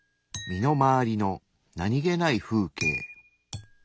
身の回りの何気ない風景。